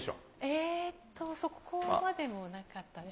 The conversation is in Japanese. えーっと、そこまでもなかったですね。